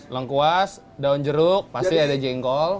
lengkuas daun jeruk pasti ada jengkol